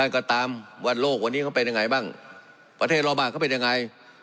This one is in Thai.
กับวันโลกวันนี้มึงเป็นยังไงบ้างประเทศแรกก็เป็นยังไง